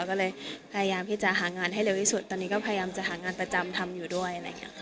ก็เลยพยายามที่จะหางานให้เร็วที่สุดตอนนี้ก็พยายามจะหางานประจำทำอยู่ด้วยอะไรอย่างนี้ค่ะ